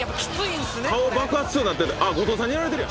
顔爆発しそうになってたあっ後藤さんにやられてるやん。